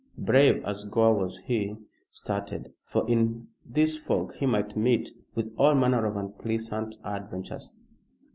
Brave as Gore was he started, for in this fog he might meet with all manner of unpleasant adventures.